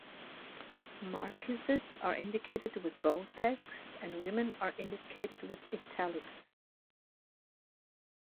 Marquises are indicated with bold text and women are indicated with italics.